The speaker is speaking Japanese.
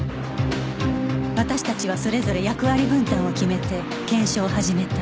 私たちはそれぞれ役割分担を決めて検証を始めた